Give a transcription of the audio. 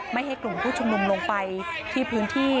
ไม่ให้กลุ่มผู้ชุมนุมลงไปที่พื้นที่